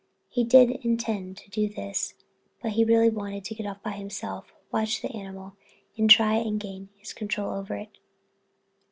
He did intend to do this but he really wanted to get off by himself, watch the animal, and try and gain his old control over it.